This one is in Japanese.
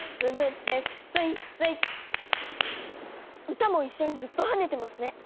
歌も一緒にずっと跳ねてますね！